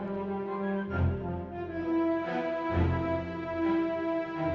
ya mama jangan marah ma